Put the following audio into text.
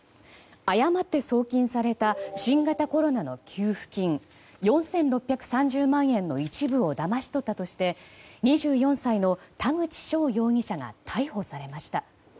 誤って送金された新型コロナの給付金４６３０万円の一部をだまし取ったとして２４歳の田口翔容疑者が逮捕されました。